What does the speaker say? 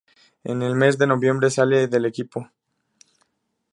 En el mes de noviembre sale del equipo.